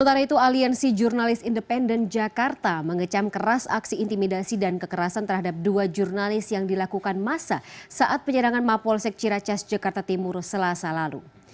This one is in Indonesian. sementara itu aliansi jurnalis independen jakarta mengecam keras aksi intimidasi dan kekerasan terhadap dua jurnalis yang dilakukan masa saat penyerangan mapolsek ciracas jakarta timur selasa lalu